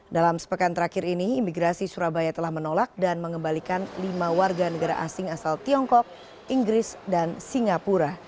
dalam sepekan terakhir ini imigrasi surabaya telah menolak dan mengembalikan lima warga negara asing asal tiongkok inggris dan singapura